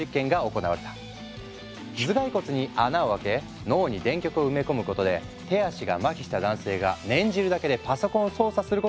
頭蓋骨に穴を開け脳に電極を埋め込むことで手足がまひした男性が念じるだけでパソコンを操作することに成功。